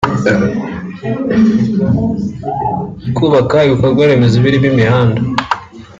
kubaka ibikorwaremezo birimo imihanda